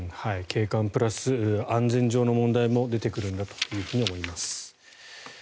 景観プラス安全上の問題も出てくるんだと思います。